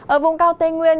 ở vùng cao tây nguyên